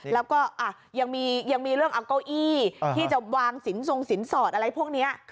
แล้วก็ยังมีเรื่องเอาเก้าอี้ที่จะวางสินทรงสินสอดอะไรพวกนี้